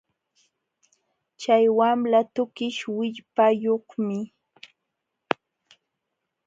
Chay wamla tukish willpayuqmi